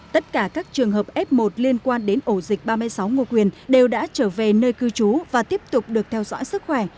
tất cả các trường hợp f một liên quan đến ổ dịch ba mươi sáu ngô quyền đều đã trở về nơi cư trú và tiếp tục được theo dõi sức khỏe